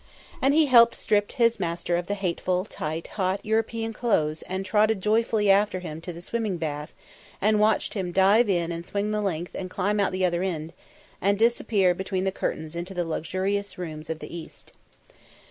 And he helped strip his master of the hateful, tight, hot European clothes and trotted joyfully after him to the swimming bath, and watched him dive in and swim the length and climb out the other end, and disappear between curtains into the luxurious rooms of the East.